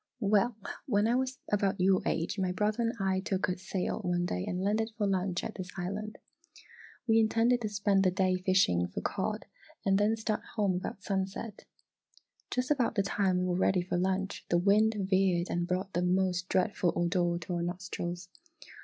"Well, when I was about your age, my brother and I took a sail one day and landed for lunch at this island. We intended to spend the day fishing for cod and then start home about sunset. Just about the time we were ready for lunch, the wind veered and brought the most dreadful odour to our nostrils.